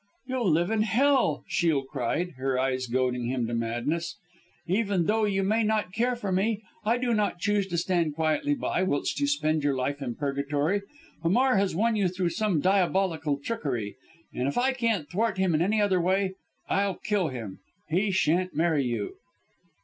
"You'll live in Hell," Shiel cried, her eyes goading him to madness. "Even though you may not care for me, I do not choose to stand quietly by, whilst you spend your life in Purgatory. Hamar has won you through some diabolical trickery, and if I can't thwart him in any other way I'll kill him. He shan't marry you."